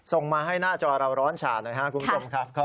ส่งมาให้หน้าจอเราร้อนฉ่าหน่อยครับคุณผู้ชมครับ